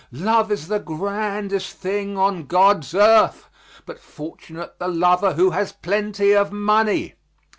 Love is the grandest thing on God's earth, but fortunate the lover who has plenty of money.